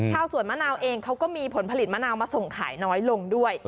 ชาวสวนมะนาวเองเขาก็มีผลผลิตมะนาวมาส่งขายน้อยลงด้วย